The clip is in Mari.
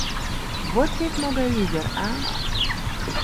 Вот вет могай ӱдыр, а!